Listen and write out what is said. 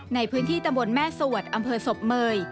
ในพื้นที่ตำบลแม่สวดอำเภอศพเมย